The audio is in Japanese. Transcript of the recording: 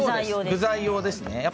具材用です。